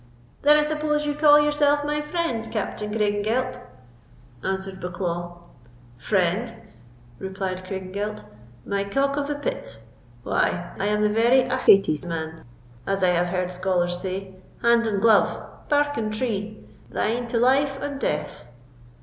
"Then I suppose you call yourself my friend, Captain Craigengelt?" said Bucklaw. "Friend!" replied Craigengelt, "my cock of the pit! why, I am thy very Achates, man, as I have heard scholars say—hand and glove—bark and tree—thine to life and death!"